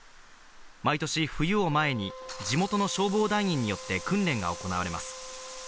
毎年、冬を前に地元の消防団員によって訓練が行われます。